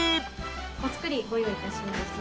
お造りご用意いたしました。